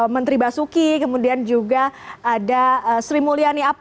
menteri basuki kemudian juga ada sri mulyani apa